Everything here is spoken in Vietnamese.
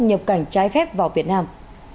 nhập cảnh trái phép vào việt nam